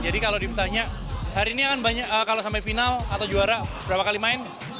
jadi kalau ditanya hari ini kalau sampai final atau juara berapa kali main